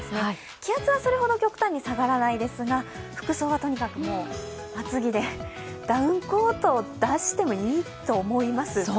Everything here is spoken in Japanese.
気圧はそれほど極端に下がらないですが服装はとにかく厚着で、ダウンコートを出してもいいと思います。